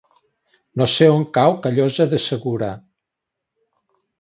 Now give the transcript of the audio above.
No sé on cau Callosa de Segura.